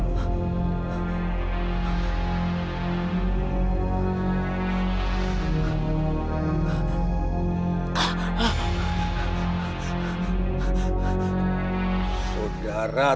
bebaskan mata rumah